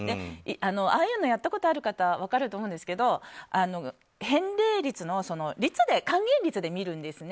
ああいうのをやったことある方は分かると思うんですけど返礼率の還元率で見るんですね。